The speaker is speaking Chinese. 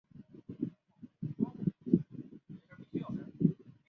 这所大学是全纽约州排名第一的公立大学。